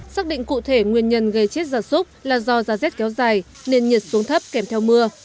xác định cụ thể nguyên nhân gây chết da súc là do da rét kéo dài nên nhiệt xuống thấp kèm theo mưa